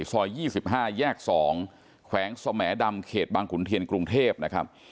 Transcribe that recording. ๒๕แยก๒แขวงสแหมดำเขตบางขุนเทียนกรุงเทพนะครับ